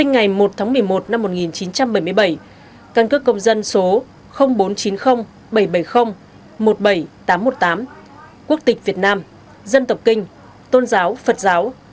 ngày một tháng một mươi một năm một nghìn chín trăm bảy mươi bảy căn cước công dân số bốn chín không bảy bảy không một bảy tám một tám quốc tịch việt nam dân tộc kinh tôn giáo phật giáo